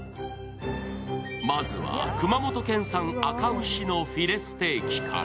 まずは熊本県産赤牛のフィレステーキから。